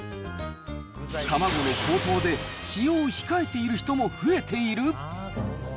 卵の高騰で、使用を控えている人も増えている。